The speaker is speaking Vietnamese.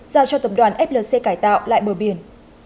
giao cho tập đoàn flc cải tạo lại bờ biển